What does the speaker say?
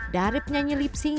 dari penyanyi lip sync